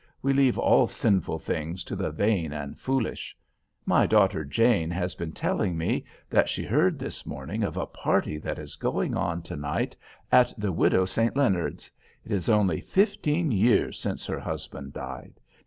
We leave all sinful things to the vain and foolish. My daughter Jane has been telling me, that she heard this morning of a party that is going on to night at the widow St. Leonard's. It is only fifteen years since her husband died.